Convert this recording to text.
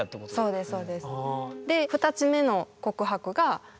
そうですそうです。あ。